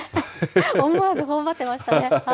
思わずほおばってましたね。